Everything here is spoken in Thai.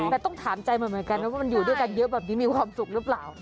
แต่ต้องถามใจมันเหมือนกันนะว่ามันอยู่ด้วยกันเยอะแบบนี้มีความสุขหรือเปล่า